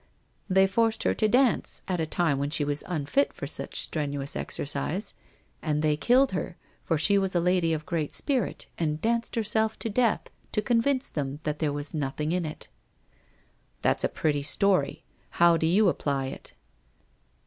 They forced her to dance — at a time when she was unfit for such strenu ous exercise; and they killed her, for she was a lady of great spirit and danced herself to death, to convince them that there was nothing in it/ ' That's a pretty story. How do you apply it